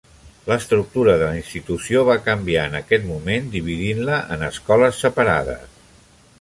L'estructura de la institució va canviar en aquest moment, dividint-la en escoles separades.